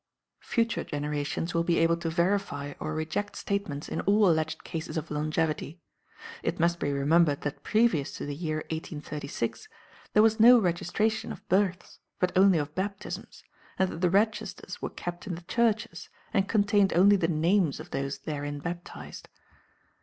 Future generations will be able to verify or reject statements in all alleged cases of longevity. It must be remembered that previous to the year 1836 there was no registration of births, but only of baptisms, and that the registers were kept in the churches, and contained only the names of those therein baptized.